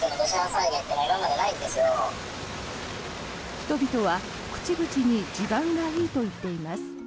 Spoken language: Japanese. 人々は口々に地盤がいいと言っています。